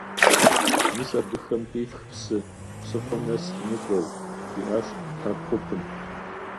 «Мис абыхэм къифх псы, псыхъуэм нэс фымыкӀуэу», - жиӀащ Хьэрхъупым.